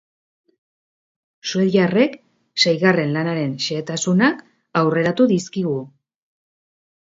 Suediarrek seigarren lanaren xehetasunak aurreratu dizkigu.